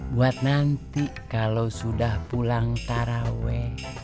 buat nanti kalau sudah pulang taraweh